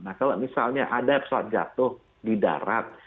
nah kalau misalnya ada pesawat jatuh di darat